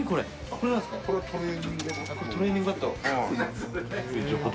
これトレーニングバット。